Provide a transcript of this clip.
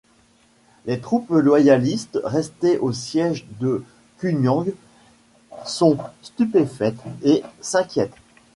Les troupes loyalistes restées au siège de Kunyang sont stupéfaites et s'inquiètent.